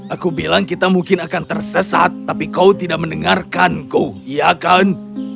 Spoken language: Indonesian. aku bilang kita mungkin akan tersesat tapi kau tidak mendengarkanku iya kan